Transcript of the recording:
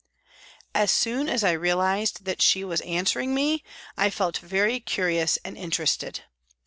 " As soon as I realised that she was answering me I felt very curious and interested.